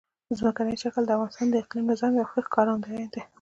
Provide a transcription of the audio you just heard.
ځمکنی شکل د افغانستان د اقلیمي نظام یوه ښه ښکارندوی ده.